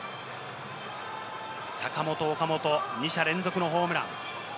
坂本、岡本、二者連続のホームラン。